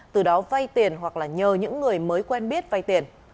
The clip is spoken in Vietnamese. từ đó vay tiền hoặc là nhờ những người mới quen biết vay tiền